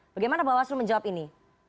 bagaimana bawaslu menjawab ini